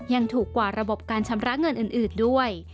ยังถูกกว่าระบบการชำระเงินอื่นด้วย